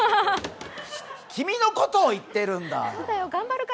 君のことを言ってるんだ！